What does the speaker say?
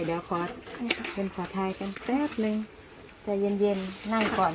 เดี๋ยวขอเป็นขอทายกันแป๊บนึงใจเย็นนั่งก่อน